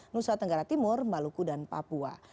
nusa tenggara timur maluku dan papua